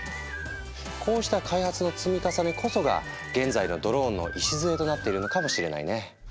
こうした開発の積み重ねこそが現在のドローンの礎となっているのかもしれないね。